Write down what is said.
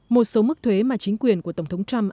một số mức thuế mà chính quyền của tổng thống trump